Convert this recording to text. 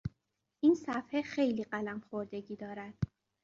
این صفحه خیلی قلم خوردگی دارد.